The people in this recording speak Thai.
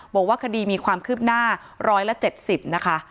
บอกว่าคดีมีความคืบหน้า๑๗๐นะคะ